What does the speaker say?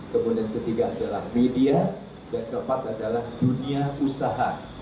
kemudian ketiga adalah media dan keempat adalah dunia usaha